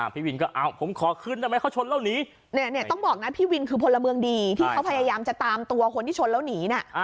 พี่วินก็อ้าวผมขอขึ้นไม่นะเขาชนแล้วหนี